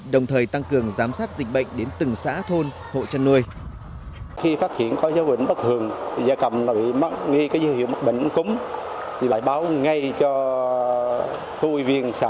đồng thời tăng cường giám sát dịch bệnh đến từng xã thôn hộ chăn nuôi